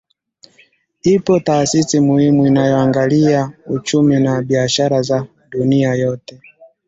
iko taasisi muhimu inayoangalia uchumi na biashara za duina yote